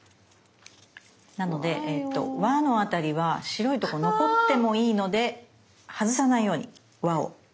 なのでえっと輪の辺りは白いとこ残ってもいいので外さないように輪を。